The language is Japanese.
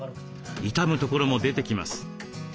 傷むところも出てきます。